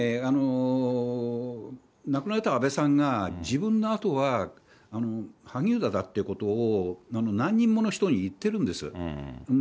亡くなられた安倍さんが、自分の後は萩生田だっていうことを、何人もの人に言ってるんです。